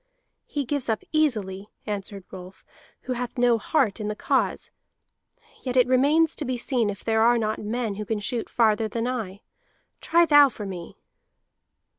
"He gives up easily," answered Rolf, "who hath no heart in the cause. Yet it remains to be seen if there are not men who can shoot farther than I. Try thou for me."